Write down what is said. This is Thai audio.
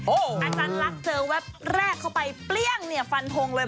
โอ้โฮอาจารย์รักเจอว่าแรกเข้าไปเปลี่ยงเนี่ยฟันธงเลย